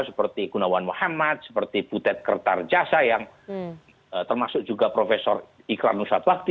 seperti gunawan muhammad seperti putet kertar jasa yang termasuk juga profesor ikranusatwakti